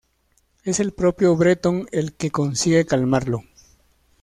Es el propio Breton el que consigue calmarlo.